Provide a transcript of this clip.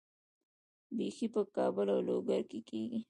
بیحي په کابل او لوګر کې کیږي.